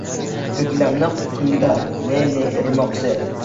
Ko’klamda quyilar ne-ne irmoq, sel